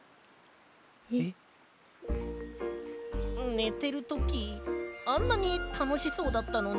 ねてるときあんなにたのしそうだったのに？